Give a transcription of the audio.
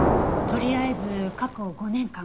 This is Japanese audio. とりあえず過去５年間。